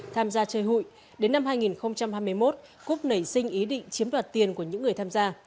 tham gia chơi hụi đến năm hai nghìn hai mươi một cúc nảy sinh ý định chiếm đoạt tiền của những người tham gia